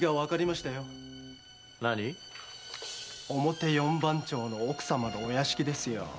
表四番町の奥様のお屋敷ですよ。